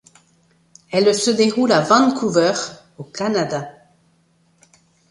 Elle se déroule à Vancouver au Canada.